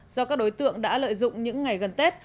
do các đối tượng đã lợi dụng những ngày gần tết